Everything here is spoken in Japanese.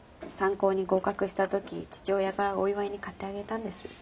三高に合格したとき父親がお祝いに買ってあげたんです。